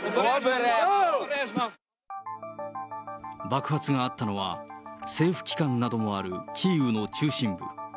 爆発があったのは、政府機関などもあるキーウの中心部。